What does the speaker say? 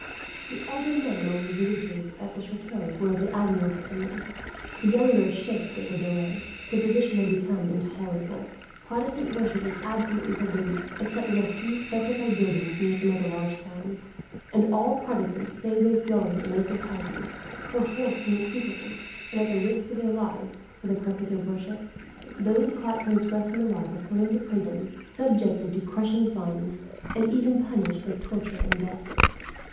The elder men among the visitors at the chateau were of the admiral's opinion. The younger chafed at the delay. The position had indeed become intolerable. Protestant worship was absolutely forbidden, except in a few specified buildings near some of the large towns; and all Protestants, save those dwelling in these localities, were forced to meet secretly, and at the risk of their lives, for the purpose of worship. Those caught transgressing the law were thrown into prison, subjected to crushing fines, and even punished with torture and death.